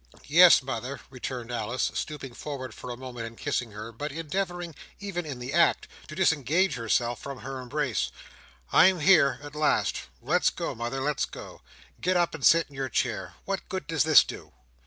"Yes, mother," returned Alice, stooping forward for a moment and kissing her, but endeavouring, even in the act, to disengage herself from her embrace. "I am here, at last. Let go, mother; let go. Get up, and sit in your chair. What good does this do?"